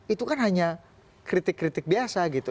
itu kan hanya kritik kritik biasa gitu